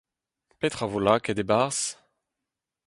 Petra e vo lakaet e-barzh ?